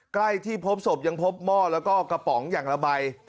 ใกล้ที่พบศพยังพบหม้อแล้วก็กระป๋องอย่างละใบ